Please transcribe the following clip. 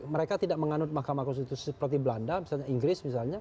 mereka tidak menganut mahkamah konstitusi seperti belanda misalnya inggris misalnya